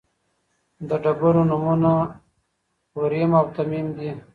د ډبرو نومونه اوریم او تمیم دي.